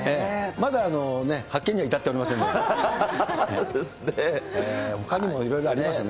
まだ発見には至っておりませほかにもいろいろありますね。